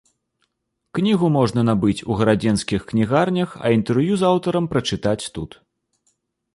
Кнігу можна набыць у гарадзенскіх кнігарнях, а інтэрв'ю з аўтарам прачытаць тут.